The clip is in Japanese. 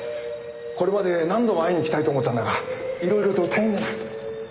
これまで何度も会いに来たいと思ったんだが色々と大変でな。